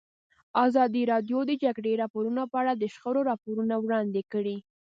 ازادي راډیو د د جګړې راپورونه په اړه د شخړو راپورونه وړاندې کړي.